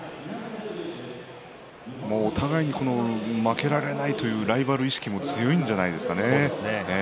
もうお互いに負けられないというライバル意識も強いんじゃないですかね。